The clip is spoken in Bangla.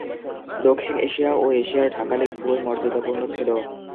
দক্ষিণ এশিয়া ও এশিয়ায় ঢাকা লীগ খুবই মর্যাদাপূর্ণ ছিল।